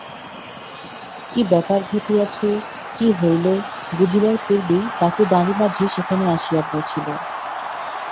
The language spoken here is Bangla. কি ব্যাপার ঘটিয়াছে, কি হইল, বুঝিবার পূর্বেই বাকি দাঁড়ি-মাঝি সেখানে আসিয়া পৌঁছিল।